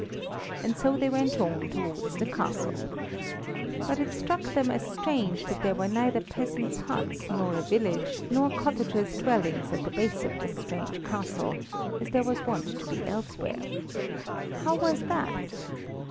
And so they went on towards the castle. But it struck them as strange that there were neither peasants' huts, nor a village, nor cottagers' dwellings at the base of this strange castle, as there was wont to be elsewhere. How was that?